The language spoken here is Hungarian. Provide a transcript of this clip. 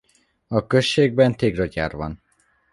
A községben téglagyár van.